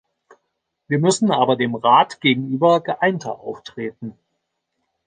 Wir müssen aber dem Rat gegenüber geeinter auftreten.